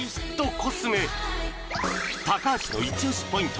コスメ高橋のイチ押しポイント